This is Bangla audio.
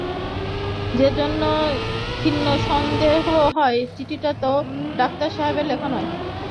যে-জন্যে ক্ষীণ সন্দেহ হয়, চিঠিটা হয়তো ডাক্তার সাহেবের লেখা নয়।